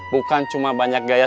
bukan cuma banyak gaya